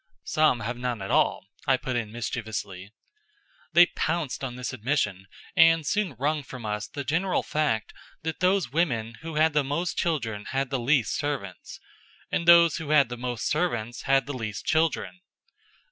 "Some have none at all," I put in mischievously. They pounced on this admission and soon wrung from us the general fact that those women who had the most children had the least servants, and those who had the most servants had the least children.